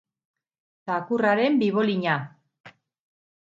Txakurraren bibolina!